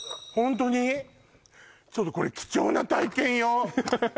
ちょっとこれ貴重な体験よ